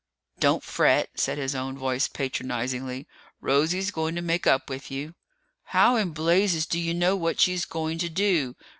"Don't fret," said his own voice patronizingly. "Rosie's going to make up with you." "How in blazes d'you know what she's going to do?"